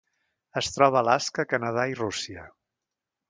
Es troba a Alaska, Canadà i Rússia.